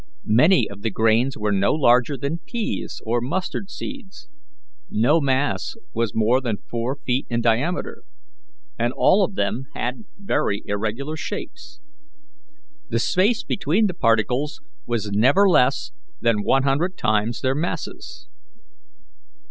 Many of the grains were no larger than peas or mustard seeds; no mass was more than four feet in diameter, and all of them had very irregular shapes. The space between the particles was never less than one hundred times their masses.